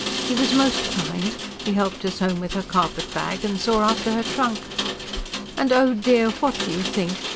He was most kind; he helped us home with her carpet bag, and saw after her trunk. And, oh dear, what do you think?